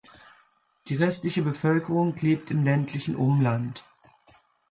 Die restliche Bevölkerung lebt im ländlichen Umland.